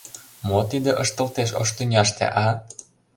Мо тиде ышталтеш ош тӱняште, а?!